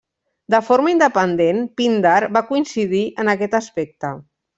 De forma independent, Píndar, va coincidir en aquest aspecte.